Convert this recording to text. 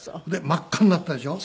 真っ赤になってたでしょ？